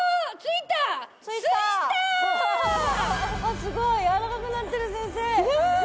すごい柔らかくなってる先生！